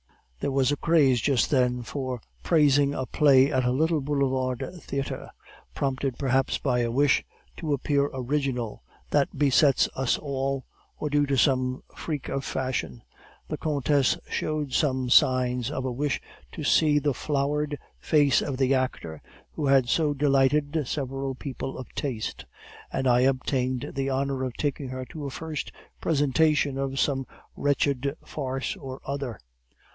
"There was a craze just then for praising a play at a little Boulevard theatre, prompted perhaps by a wish to appear original that besets us all, or due to some freak of fashion. The countess showed some signs of a wish to see the floured face of the actor who had so delighted several people of taste, and I obtained the honor of taking her to a first presentation of some wretched farce or other.